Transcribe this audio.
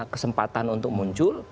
kesempatan untuk muncul